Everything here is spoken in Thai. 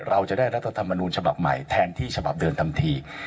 เราจะได้รัฐธรรมนูญฉบับใหม่แทนที่ฉบับเดิมทันที